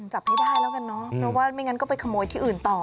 จับไม่ได้แล้วกันเนอะเพราะว่าไม่งั้นก็ไปขโมยที่อื่นต่อ